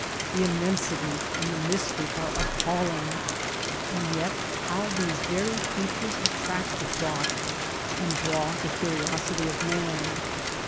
The im mensity and the mystery are appalling; and yet how these very features attract the thought and draw the curiosity of man.